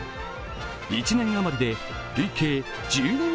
１年余りで累計１２万